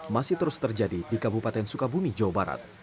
masih terus terjadi di kabupaten sukabumi jawa barat